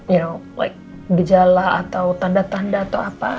you know like gejala atau tanda tanda atau apa